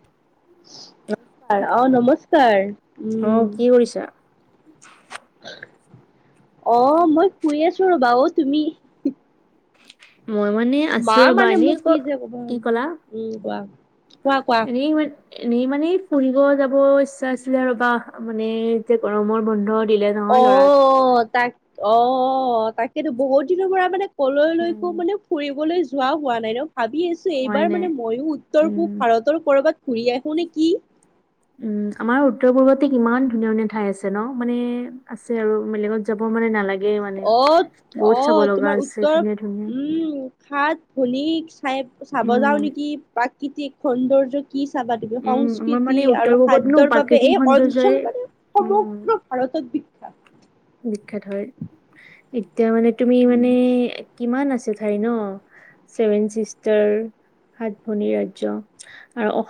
[inaudible] নমস্কাৰ অ নমস্কাৰ আহ উম কি কৰিছা অ মই শুই আছো ৰবা অ তুমি মই মানে মা আছো ৰবা মানে এনেই মোক ক কি যে ক'বা কি কলা উম কোৱা কোৱা কোৱা ন ম এনেই মানে ফুৰি গ যাব ইচ্ছা আছিলে ৰব মানে যেতি গৰমৰ বন্ধত দিলে নহয় অ ল'ৰাত তাক অ তাকেতো বহুত দিনৰ পৰা মানে কলৈলৈকো উম মানে ফুৰিবলৈ যোৱা হোৱা নাই ন ভাবি আছো হয় এইবাৰ নাই। মানে মইো উত্তৰ পূব উম। ভাৰতৰ কৰবাত ঘুৰি আহো নে কি উম আমাৰ উত্তৰ পূৰ্বতে কিমান ধুনীয়া ধুনীয়া ঠাই আছে ন মানে আছে আৰু বেলেগত যাব মানে নালাগে মানে অ অ বহুত চাব লগা তোমাৰ আছে উত্তৰ ধুনীয়া ধুনীয়া। উম খাত শনী চাই চাব যাওঁ উম নেকি প্ৰাকৃতিক সৌন্দৰ্য কি চাবা তুমি উম আমাৰ মানে সংস্কৃতি উত্তৰ আৰু পূৰ্বত নো খাদ্যয়ৰ বাবে প্ৰাকৃতিক এই সৌন্দৰ্যই অঞ্চল মানে উম সমগ্ৰ ভাৰত ত বিখ্যাত বিখ্যাত হয় এতিয়া মানে তুমি উম, মানে কিমান আছ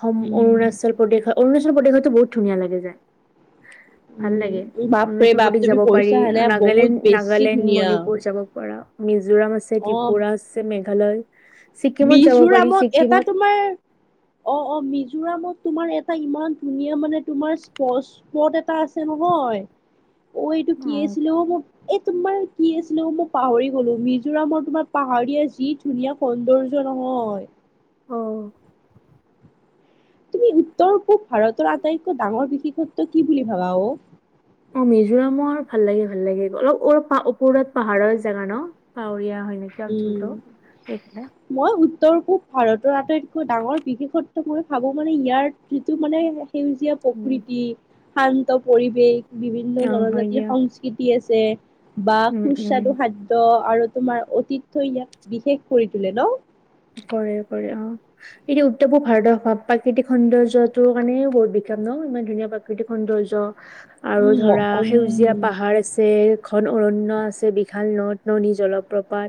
ভ অৰুণাচল প্ৰদেশ অৰুণাচল প্ৰদেশততো বহুত ধুনীয়া লাগে যায় ভাল লাগে উম, বাপৰে অৰুণাচল বাপ প্ৰদেশ তুমি যাব কৈছা পাৰি হেনে বহুত নাগালেণ্ড বেছি নাগালেণ্ড ধুনীয়া মণিপুৰ যাব পাৰা মিজোৰাম আছে অ'। ত্ৰিপুৰা আছে মেঘালয় ছিকিমত যাব পাৰি মিজোৰামত এটা ছিকিমত তোমাৰ অ অ মিজোৰামত তোমাৰ এটা ইমান ধুনীয়া মানে তোমাৰ স্প্পট এটা আছে নহয় অ এইটো কিিয়ছিলো মোৰ এ তোমাৰ কি আছিলো মই পাহৰি গলো মিজোৰামৰ তোমাৰ পাহাৰীয়া যি ধুনীয়া ধাৰ্য নহয় আহঁ তুমি উত্তৰ পূব ভাৰতৰ আটাইতকৈ ডাঙৰ বিশেষত্ব কি বুলি ভাবা অ অ মিজোৰামৰ ভাল লাগে ভাল লাগে অলপ ওপৰত পাহাৰৰ জোগা ন পাৱৰীয়া হয় নে কিাম চলটোো এইখে উৰকব ভাৰতৰ আটাইতকৈ ডাঙৰ বিশেষত্ব মই ভাবো মানে ইয়াৰ যিটো মানে সেউজীয়া উম প্ৰকৃতি শান্ত পৰিৱেশ বিভিন্ন অ হয় জনজাতিৰ দিয়া সংস্কৃতি আছে বা উম উম সুস্বাদু খাদ্য আৰু তোমাৰ তিটো ইয়াক বিশেষ কৰি তোলে ন কৰে কৰে অ এটোয়া উত্তৰ পূব ভাৰতৰ প্ৰাকৃতিক সৌন্দৰ্যটোৰ কাৰণে বহুত বিশেষ াম ন ইমান ধুনীয়া প্ৰাকৃতিক সৌন্দৰ্য আৰু উম ধৰা উম সেউজীয়া পাহাৰ আছে এ খন অৰণয় আছে বিশাল নদ টননী জলপ্ৰপাত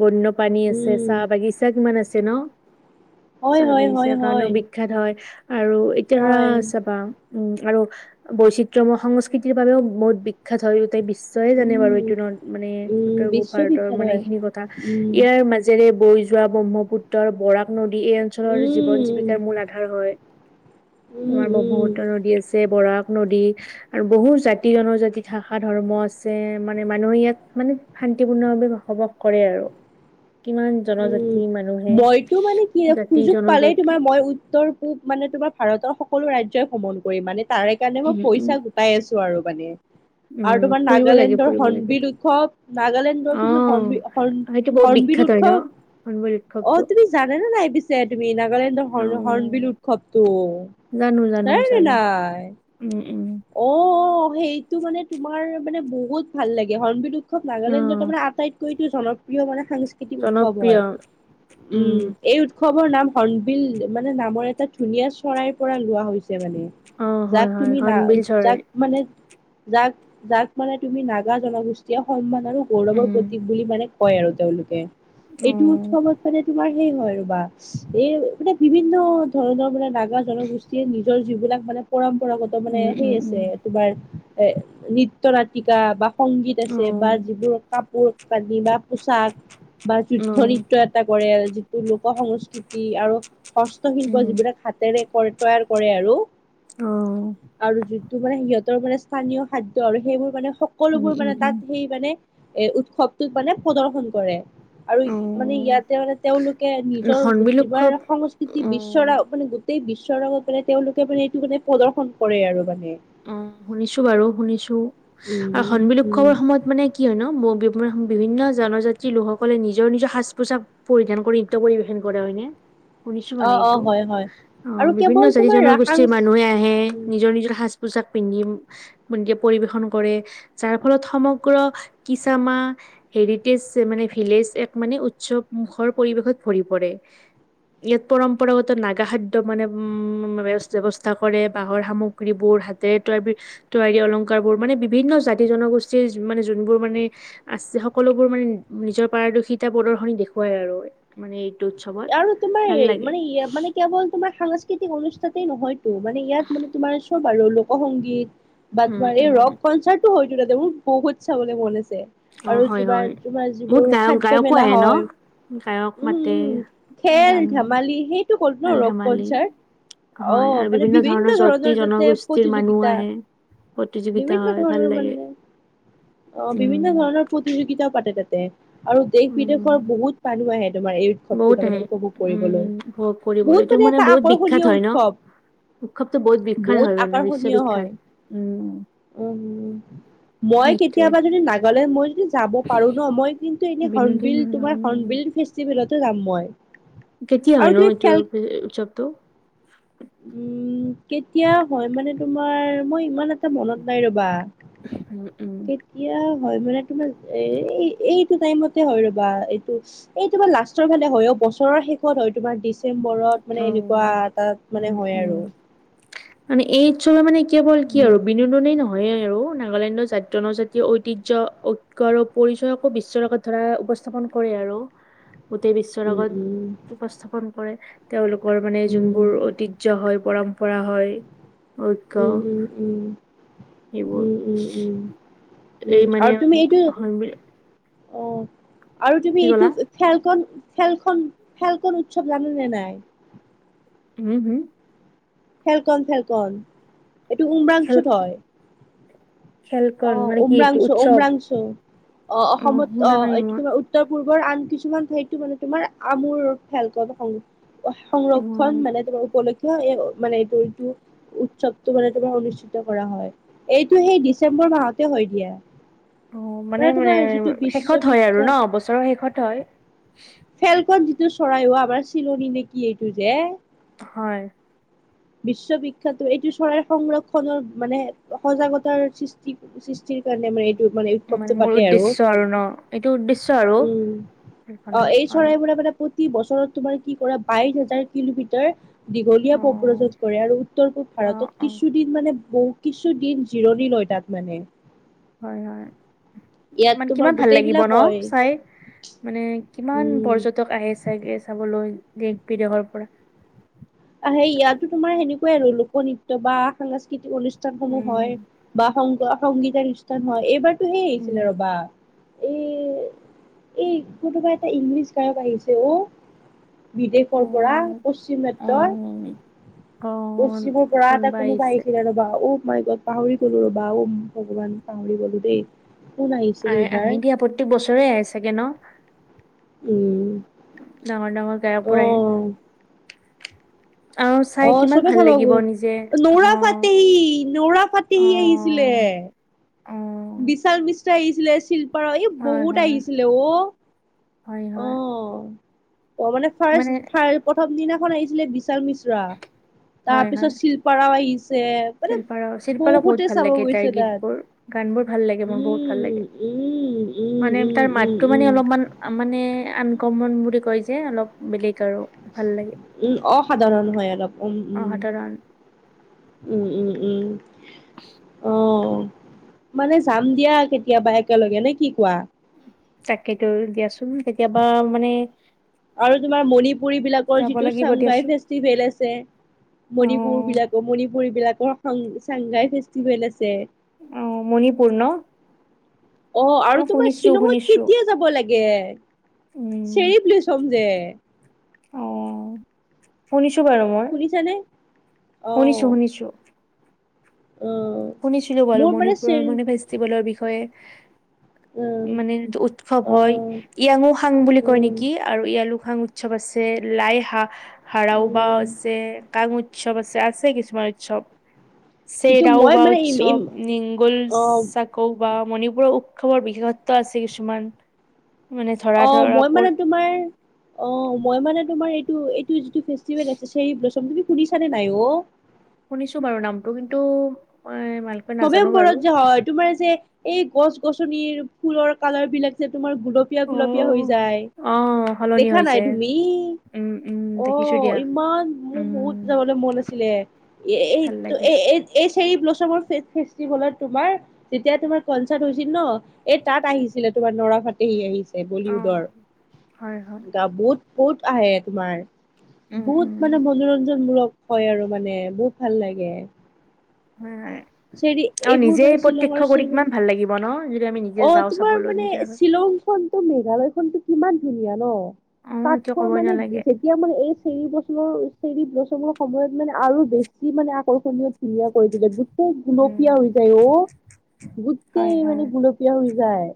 বন্যপাানী আছে উম চাহ বাগিছা কিমান আছে ন হয় হয় হয় বাগিছাৰ হয় কাৰণেও বিখ্যাত হয় আৰু এতিয়া ধৰা হয় চাবা উম আৰু বৈচিত্ৰময় সংস্কৃতিৰ বাবেও বহুত বিখ্য্াত হৈটাই নিশ্চয়ে জানে বাৰু উম এইটো নত মানে উম উত্তৰ পূব ভাৰতৰ বিশ্ববিখ্যাত মানে হয় এইখিনি কথা উম ইয়াৰ মাজেৰে ব যোৱা ব্ৰহ্মপুত্ৰৰ বৰাক নদী এই অঞ্চলৰ জীৱন উম জীৱিকাৰ মূল আধাৰ হয় উম আমাৰ উম বহুতৰ নদী আছে বৰাক নদী আৰু বহুত জাতি জনজাতি শাষা ধৰ্ম আছে মানে মানুহে ইয়াক মানে শান্তিপূৰ্ণভে বসবাস কৰে আৰু কিমান জনজাতি উম মানুহে মইতো মানে কি জাতি সুযোগ পালেই জনজাতি তোমাৰ মই উত্তৰ পূব মানে তোমাৰ ভাৰতৰ সকলো ৰাজ্ই ভ্ৰমণ কৰিম মানে তাৰে কাৰণে মই উম উম পইচা গোটাই আছো আৰু মানে উম আৰু তোমাৰ ফুৰিব লাগে নাগালেণ্ডৰ ফুৰিব লাগে হনবিখ নাগালেণ্ডৰ অ তুমি হাৰ্ণ বিল উৎসৱ হ বুলি অ তুমি জানে নে নাই পিছে তুমি নাগালেণ্ডৰ অ হৰ্ণবিল উৎসৱটো জানো জানো সেই তেনাই জানো নাই উম উম অ অ সেইটো মানে তোমাৰ মানে বহুত ভাল লাগে হৰণবিটো খুব অ নাগালেণ্ডত মানে আটাইতকৈতো জনপ্ৰিয় মানে সাংস্কৃতিক উৎসৱ জনপ্ৰিয় হয় উম এই উৎসৱ উৎসৱৰ নাম হনবিল মানে নামৰ এটা ধুনীয়া চৰাইৰ পৰা লোৱা হৈছে মানে অ যাক হয় হয় তুমি না হৰ্ণবিল চৰাই যাক মানে যাক যাক মানে তুমি নাগা জনগোষ্ঠীয়ে সন্মান আৰু গৌৰৱৰ উম প্ৰতীক বুলি মানে কয় আৰু তেওঁলোকে অ এইটো উৎসৱত মানে তোমাৰ সেই হয় ৰবা এই মানে বিভিন্ন ধৰণৰ মানে নাগা জনগোষ্ঠীয়ে নিজৰ জীৱন এইিলাক মানে পৰম্পৰাগত মানে উম সেই উম আছে উম তোমাৰ এ নৃত্য় নতিকা বা সংগীত অ আছে বা যিবোৰ কাপোৰ কানি বা পোচাক বা অ যুদ্ধ নৃত্য এটা কৰে যিটো লোক সংস্কৃতি আৰু হস্তশিল্প উম যিবিলাক হাতেৰে তৈয়াৰ কৰে আৰু আহ আৰু যোনটো মানে সিহঁতৰ মানে স্থানীয় খাদ্্য আৰু সেইবোৰ মানে উম সকলোবোৰ উম মানে উম তাত সেই মানে এ উৎসৱটোত মানে প্ৰদৰ্শন কৰে আৰু অ মানে ইয়াতে মানে তেওঁলোকে নিজৰ হৰ্ণবিল উৎসৱ যিবাৰ সংস্কৃতি অ বিশ্বৰা মানে গোটেই বিশ্বৰ লগত মানে তেওঁলোকে মানে এইটো মানে প্ৰদৰ্শন কৰে আৰু মানে অ শুনিছো বাৰু শুনিছো আৰু উম হণমিল উম উৎসৱৰ সময়ত মানে কি হয় ন বিভিন্ন জনজাতিৰ লোকসকলে নিজৰ নিজৰ সাজ পোছাক পৰিধান কৰি নৃত্য পৰিবেশন কৰে হয়নে শুনিছো অ মানে অ এইটো হয় হয় অ আৰু বিভিন্ন কেৱল জাতি তোমাৰ ৰাসাং জনগোষ্ঠীৰ মানুহে আহে উম নিজৰ নিজৰ শাজ পোজাক পিন্ধি পৰিবেশন কৰে যাৰ ফলত সমগ্ৰ কিচাামা হেৰিটেজ মানে ভিলেজ এক মানে উৎসৱমখৰ পৰিৱেশত ভৰি পৰে ইয়াত পৰম্পৰাগত নাগা খাদ্য মানে উম ব্ৱস্থা কৰে বাঁহৰ সামগ্ৰীবোৰ তয়াৰ তৈয়াৰী অলংকাৰ বোৰ মানে বিভিন্ন জাতি জনগোষ্ঠীৰ মানে যোনবোৰ মানে আছে সকলোবোৰ মানে নিজৰ পাৰদৰ্শিতা প্ৰদৰ্শনী দেখুৱাই আৰু মানে উৎসৱত আৰু তোমাৰ ভাল লাগে মানে মানে কেৱল তোমাৰ সাংস্কৃতিক অনুষ্ঠাতেই নহয়তো মানে ইয়াত মানে তোমাৰ চব আৰু লোক সংংগীত বা উম তোমাৰ এই উম ৰক কনচাৰ্ট হয় মোৰ বহুতছাব মন আছে অ আৰু হয় হয় জোমাৰ তোমাৰ বহুত যিবোৰ গায়ক খাদ্্য গায়কো মেলা আহে ন হয় গায়ক উম মাতে উম খেল গান ধেমালি সেইটো ক'লো ন খেল ৰক ধেমালি কনচাৰ্ হয় আহ আৰু মানে বিভিন্ন জাতি ধৰণৰ তাতে জনগোষ্ঠীৰ মানুহ প্ৰতিযোগিতা আহে প্ৰতিযোগিতা বিভিন্ন হয় ভাল ধৰণৰ লাগে মানে অ উম বিভিন্ন ধৰণৰ প্ৰতিযোগিতাও পাতে তাতে আৰু দেশ বিদেশৰ উম বহুত মানুহ আহে তোমাৰ এই উৎসৱ বহুত তাৰ আহে মানে উপভোগ কৰিবলৈ উম ভোগ কৰিবলৈ বহুত মানে এটা আকৰ্ষণীয় উৎসৱ উৎক্ষৱটোো বহুত বিখ্যাত হয়ান বিশ্ব বিখ্যাত উম উ মই সেইটোৱে কেতিয়াবা যদি নাগালেণ্ড মই যাব পাৰো ন মই কিন্তু এনেন বিনোদী বিিল তোমাৰ হন বিিল ফেষ্টিভেল যাম মই কেতিয়া আৰু হয় ন তুমি এইটো খেল উ চবটো উম কেতিয়া হয় মানে তোমাৰ মই ইমান মনত নাই ৰবা উম উম কেতিয়া হয় মানে তোমাৰ এ এইটো টাইমতে হয় ৰ'বা এইটো এইটোমাৰ লাষ্টৰ ফালে হয় বছৰৰ শেষত হয় তোমাৰ ডিচেম্বৰত মানে উম এনেকুৱা এাত মানে উম হয় উম আৰু মানে এই চল মানে কেৱল কি উম আৰু বিনোদনেই নহয় নয়ে আৰু নাগালেণ্ডৰ জনজাতীয় ঐতিহ্্য ঐক্ আৰু পৰিচয়কো বিশ্বৰেগত ধৰা উপস্থাপন কৰে আৰু গোটেই বিশ্বৰ উম আগত উম উপস্থাপন কৰে তেওঁলোকৰ মানে উম যোনবোৰ ঐতিহ্্য হয় পৰম্পৰা হয় ঐক্য উম উম উম সেইবোৰ উম উম উম উম এই মানে আৰু তুমি এইটো হয় বুলি অ আৰু তুমি কি এইটো ক'লা খেলখন খেলখন খেলখন উৎসৱ জানে নে নাই উম হম ফেলকন ফেলকন এইটো খেল উমৰাংচুত হয় অ খেলকণ মানে কি এইটো উমৰাংচু উৎসৱ উমৰাংচু অ অসমত অ শুনা নাই এইটো মই তোমাৰ উত্তৰ পূৰ্বৰ আন কিছুমান ঠাইতো মানে তোমাৰ আমুৰ ভেল ক সং সংৰক্ষণ উম। মানে তোমাৰ উপলক্ষ এই মানে এইটো এইটো উৎসৱটো মানে তোমাৰ অনুষ্ঠিত কৰা হয় এইটো সেইশ ডিচেম্বৰ মাহতে হৈ দিয়ে অ মানে মানে শেষত হয় আৰু বিশ্ববিখ্যাত ন বছৰৰ শেষত হয় ফেলকন যিটো চৰাইও আমাৰ চিলনিী নেকি এইটো যে হয় বিশ্ববিখ্যাত এইটো চৰাইৰ সংৰক্ষণৰ মানে সজাগতাৰ সৃষ্টি সৃষ্টি কাৰণে মানে এইটো মানে উৎসৱটো মোৰ পাতে আৰু উদ্দেশ্য ন এইটো উদ্দেশ্য আৰু উম অ সেইখনৰ এই হয় চৰাইবোৰে মানে প্ৰতি বছৰত তোমাৰ কি কৰা বাইশ হাজাৰ কিলোমিটাৰ দীঘল অ প্ৰজুত কৰে আৰু উত্তৰ পূব অ ভাৰতত অ কিছুদিন মানে বহু কিছু দিন জিৰণি লয় তাত মানে হয় হয় ইয়াত মানে তোমাৰ কিমান ভাল লাগিব গোটেইবিলাক ন হয় চাই মানে কিমান উম পৰ্যটক আহে চাগে চাবলৈ দেশ বিদেশৰ পৰা আহ সে ইয়াতো তোমাৰ সেনেকুৱাই আৰু লোক নৃত্য বা সাংস্কৃতিক অনুষ্ঠানসমোনো উম হয় বা সং সংগীতৰ অনুষ্ঠান হয় এইবাৰ সেই উম আহিছিলে ৰবা এ এই কতোবা এটা ইংলিছ গাৰপ আহিছে অ বিদেশৰ পৰা অ পশ্চিম তই অ অ', কচিবোৰ পৰা এটা কোনোবা আহিছে। আহিছিল ৰ বা মাই গত পাহৰি গ'লো ৰ'বা ওম ভগৱান পাহৰি গ'লো দেই কোন আহিছিলে আহ, এইবাৰ আহি দিয়া প্ৰত্যেক বছৰে আহি চাগে ন উম ডাঙৰ-ডাঙৰ অ গায়াপোৰ আহে, আৰু চাই অ, কিমান চবে ভাল খাব লাগিব গৈ নিজে নৌৰা অ', ফাটহি নৌৰা ফাটেহি আহিছিলে। অ', এ অ', বিশাল মিশ্ৰ আহিছিলে। শিল্পাৰ এই বহুত আহিছিলে অ অ হয়-হয় অ, মানে ফাৰ্ষ প্ৰথম দিনাখন আহিছিলে। বিশাল মিশ্ৰ তাৰপিছত শিল্পাৰৱাইচ শিল্পা শিল্পাৰও বহুত ভাল লাগে তাইৰ গৈছে তাত গীতবোৰ গান বোৰ ভাল লাগে মোৰ বহুত ভাল উম লাগে উম উম মানে উম তাৰ উম মাতটো মানে উম অলপমান মানে আনকমন বুলি কয় যে অলপ বেলেগ আৰু ভাল লাগে উম অসাধাৰণ হয়। অলপ উম-উম অসাধাৰণ উম-উম-উম আহ মানে যাম দিয়া কেতিয়াবা একেলগে নে কি কোৱা চাকিটো দিয়াচোন কেতিয়াবা মানে আৰু তোমাৰ মণিপুৰী বিলাকৰ যাব যিটো লাগিব চাংগাই দিয়াচোন ফেচতীভেল আছে। মণিপুৰ অ'। বিলাকৰ মণিপুৰ বিলাকৰং চাংগাই ফেষ্টিভেল আছে। অ মণিপুৰ ন। অ আৰু তোমাৰ শুনিছো শ্বিলঙত শুনিছো কেতিয়া যাব লাগে উম, চেৰিপ বুলোচম যে। এই। অ শনি। খুনিছো বাৰু মই শুনিছানে? অ' শুনিছো-শুনিছো। অ' শুনিছিলো বাৰু মোৰ মণিপুৰৰ চেৰি মানে ফেষ্টিভেলৰ বিষয়ে অ' মানে উৎসৱ হয় অ' য়াংঙো সাং বুলি কয় উম নেকি আৰু ইয়ালু- কাং উৎসৱ আছে লাই হা হাৰাও বা উম আছে কাং উ- উৎসৱ আছে আছে কিছুমান উৎসৱ যিটো সেৰাওউ- মই ৱাই মানে উৎসৱ নিংগল অ' চাাকো- বা মণিপুৰৰ উৎসৱৰ বিশেষত্ব আছে কিছুমান। মানে ধৰা অ ধৰা মই পৰ মানে তোমাৰ অ মই মানে তোমাৰ এইটো। যিটো ফেষ্টিভেল আছে সেইৰী ব্লচম তুমি খুনি চানে নাই অ- শুনিছো বাৰু নামটো কিন্তু। মই ভালকৈ নাজানো নৱেম্বৰত বাৰু। যে হয় তোমাৰ যে এই গছ গছনিৰ ফুলৰ কালাৰ বিলাক যে তোমাৰ। গুলপীয়া গুলপীয়া হৈ অ', যায় অ', সলনি দেখা নাই হৈছে তুমি। উম, উম, অ, দেখিছো দিয়া ইমান মোৰ বহুত উম, যাবলৈ মন আছিলে। এ ভাল এইটো লাগে। এ এই ফেভেলত তোমাৰ যেতিয়া তোমাৰ কনচাৰ্ট হৈছিল। ন এই তাত আহিছিলে তোমাৰ নৰাফাটহি আহিছে বলিউডৰ অ', হয়, হয়, গ বহুত বহুত আহে তোমাৰ উম, বহুত উম, মানে মনোৰঞ্জন মূলক হয় আৰু মানে বহুত ভাল লাগে। হয়, চেৰি আৰু এইবোৰ মানে নিজেই শ্বিলঙৰ প্ৰত্যক্ষ কৰি চেৰি কিমান ভাল লাগিব ন আমি নিজে অ যাওঁ তোমাৰ চাবলৈ মানে নিজে আৰু। শ্বিলং খ তো মেঘালয় খতো কিমান ধুনীয়া ন অ', এইটো তাতকৈ ক'বই মানে নালাগে যেতিয়া মানে এই চৰি বছৰৰ প লচঙৰ সময়ত মানে আৰু বেছি মানে আকৰ্ষণীয় ধুনীয়া কৰি তো গোই গলপীয়া হৈ উম, যায় অ হয়, গোটেই মানে হয়, গুলপীয়া হৈ যায়।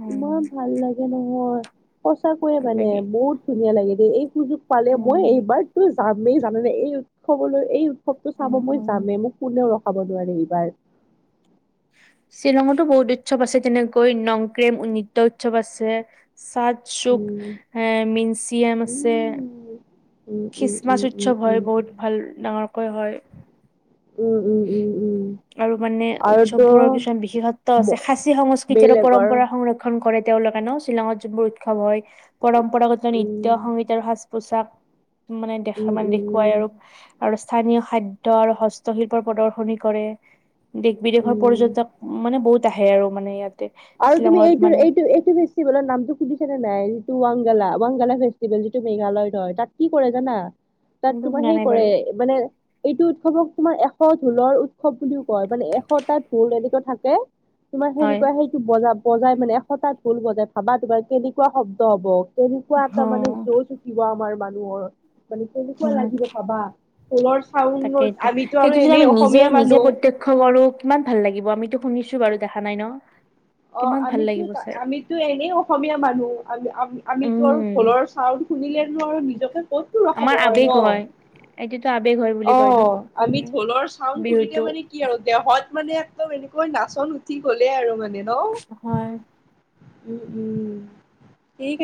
উম, ইমান ভাল লাগে নহয়। সঁচাকৈয়ে ভাল মানে লাগে বহুত ধুনীয়া লাগে দ এই সুযোগ পালে মই উম, এইবাৰতো যাম। মেই জানে নে এই উৎসৱলৈ এই উৎসৱতটো উম, চাব মই উম। জামে মোক কোনেও ৰ খাব নোৱাৰে এইবাৰ শ্বিলঙতো বহুত উৎসৱ আছে যেনেকৈ নংক্ৰেম নৃত্য উৎসৱ আছে। চাদ চুক উম, এ মিনচিয়াম আছে উম, উম, উম, উম, খ্ৰীষ্টমাচ উম, উৎসৱ উম। হয় বহুত ভাল ডাঙৰকৈ হয় উম উম উম আৰু মানে আৰুতো উৎসৱবোৰৰ কিছুমান বিশেষত্ব আছে ম- সাঁচী সংস্কৃতি আৰু বেলেগৰ পৰম্পৰা সংৰক্ষণ কৰে তেওঁলোকে ন শ্বিলঙত যোনবোৰ উৎসৱ হয় পৰম্পৰাগত উম, নৃত্য সংগীত আৰু পোচাক মানে উম, দেখা মানে উম, দেখুৱাই উম, আৰু আৰু স্থানীয় খাদ্য আৰু হস্তশিল্প প্ৰদৰ্শনী কৰে দেশ বিদেশৰ উম। পৰ্যটক মানে বহুত আহে আৰু মানে ইয়াত আৰু তুমি এইটো এইটো এইটো বেছি বলা নামটো শুনিছা নে নাই ৱাংগালা ৱাংগালা ফেষ্টিভেল যিটো মেঘালয়ত হয় তাত কি কৰে জানা তাত কিন্তু তোমাৰ শুনা সেই নাই কৰে বাৰু মানে এইটো উৎসৱক তোমাৰ এশ ঢোলৰ উৎসৱ বুলিও কয় মানে এশটা ঢোল এনেকুৱা থাকে তোমাৰ হয় সেনেকুৱা সেই বজা বজাই মানে এশটা ঢোল বজাই ভাবা তোমাৰ কেনেকুৱা শব্দ হ'ব কেনেকুৱা এটা অ মানে জজ উঠিব আমাৰ মানুহৰ মানে কেনেকুৱা লাগিব ভাবা ঢোলৰ চাউণ্ড তাকেই টো আমিতো সেইটো আৰু যদি আমি এনেই নিজে অসমীয়া নিজে মানুহ প্ৰত্যক্ষ কৰো কিমান ভাল লাগিব আমিতো শুনিছো বাৰু দেখা নাই ন অ কিমান ভাল আমিতো লাগিব চাই আমিতো এনেই অসমীয়া মানুহ আমি আমিতো আৰু উম ঢোলৰ চাউন শুনিলেনো আৰু নিজকে ক'তটো আমাৰ ৰখাব পাৰিম আৱেগ ন হয় এইটোতো আৱেগ হয় বুলি অ কয় ন আমি অসমীয়াৰ ঢোলৰ চাউম শুনিলে বিহুটো মানে কি আৰু দেহত মানে একদম এনেকুৱা নাচন উঠি গ'লে আৰু মানে ন হয় উম উম ঠিক আছে